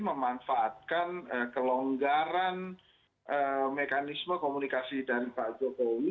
memanfaatkan kelonggaran mekanisme komunikasi dari pak jokowi